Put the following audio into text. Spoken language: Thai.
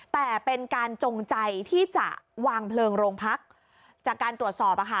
แต่เป็นการจงใจที่จะวางเพลิงโรงพักจากการตรวจสอบอะค่ะ